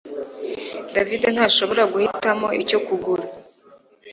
David ntashobora guhitamo icyo kugura